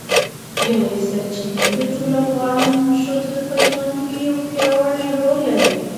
ژورې سرچینې د ټولو افغان ښځو په ژوند کې یو پیاوړی رول لري.